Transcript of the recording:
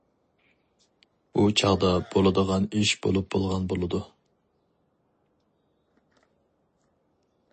بۇ چاغدا بولىدىغان ئىش بولۇپ بولغان بولىدۇ.